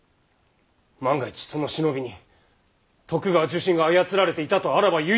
万が一その忍びに徳川重臣が操られていたとあらばゆゆしきこと！